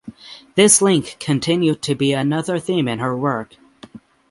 This link continued to be another theme in her work.